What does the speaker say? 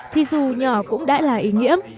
thì dù nhỏ cũng đã là ý nghĩa